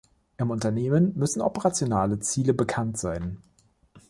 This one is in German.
Im Unternehmen müssen operationale Ziele bekannt sein.